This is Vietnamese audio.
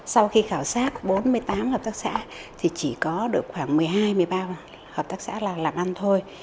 sau khi khảo sát bốn mươi tám hợp tác xã thì chỉ có được khoảng một mươi hai một mươi ba hợp tác xã làm ăn thôi